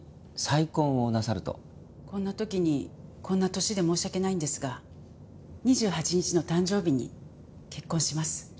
こんな時にこんな年で申し訳ないんですが２８日の誕生日に結婚します。